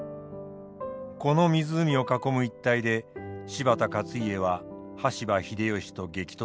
この湖を囲む一帯で柴田勝家は羽柴秀吉と激突しました。